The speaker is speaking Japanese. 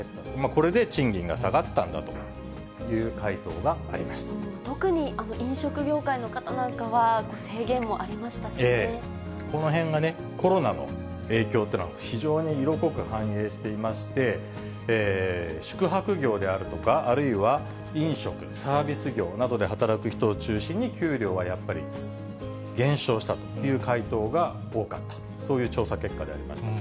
これで賃金が下がったんだという特に飲食業界の方なんかは、このへんがね、コロナの影響というのは、非常に色濃く反映していまして、宿泊業であるとか、あるいは飲食・サービス業などで働く人を中心に、給料はやっぱり減少したという回答が多かった、そういう調査結果でありました。